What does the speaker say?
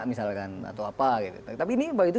misalkan atau apa gitu tapi ini bang itus